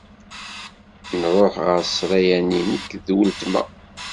Nruḥ ɣer ssṛaya-nni nekk d uletma.